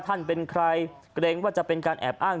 ท่านเป็นใครเกรงว่าจะเป็นการแอบอ้าง